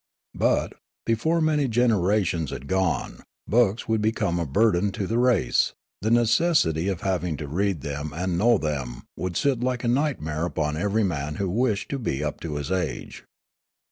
But, before many genera tions had gone, books would become a burden to the race ; the necessity of having to read them and know them would sit like a nightmare upon every man who wished to be up to his age.